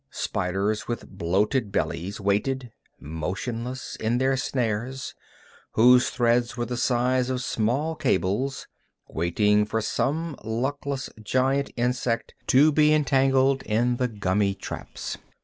Spiders with bloated bellies waited, motionless, in their snares, whose threads were the size of small cables, waiting for some luckless giant insect to be entangled in the gummy traps.